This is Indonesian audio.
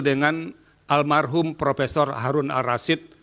dengan almarhum prof harun arasid